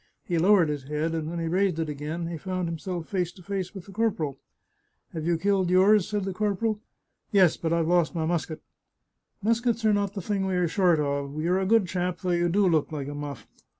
He lowered his head, and when he raised it again he found himself face to face with the corporal. " Have you killed yours ?" said the corporal. " Yes, but I've lost my musket." " Muskets are not the thing we are short of. You're a good chap, though you do look like a muflf.